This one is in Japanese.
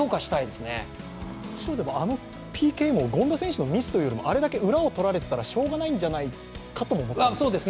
あのＰＫも権田選手のミスというより、あそこまで裏をとられていたらしかたなかったんじゃないかと思います。